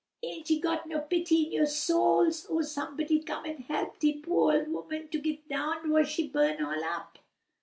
Isn't ye got no pity in yo' souls! Oh, somebody come an' help de po' ole woman to git down 'fore she burn all up!"